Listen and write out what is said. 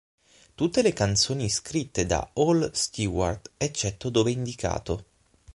Tutte le canzoni scritte da Al Stewart eccetto dove indicato